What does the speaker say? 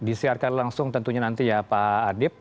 disiarkan langsung tentunya nanti ya pak adib